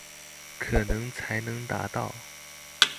可能才能達到